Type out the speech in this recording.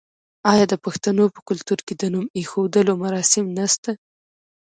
آیا د پښتنو په کلتور کې د نوم ایښودلو مراسم نشته؟